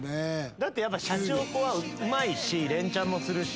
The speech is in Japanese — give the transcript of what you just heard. だってシャチホコはうまいしレンチャンもするし。